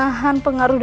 dengan sening stuff